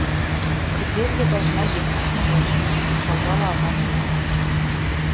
Теперь я должна ехать к нему, — сказала она сухо.